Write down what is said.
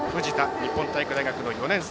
日本体育大学の４年生。